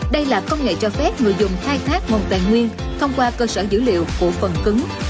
đây là công nghệ cho phép người dùng khai thác nguồn tài nguyên thông qua cơ sở dữ liệu của phần cứng